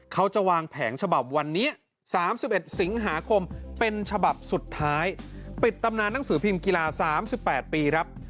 เขาจะวางแผงฉบับวันนี้๓๑สิงหาคมเป็นฉบับสุดท้ายปิดตำนานหนังสือพิมพ์กีฬา๓๘ปีครับ